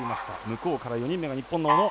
向こうから４人目が日本の小野。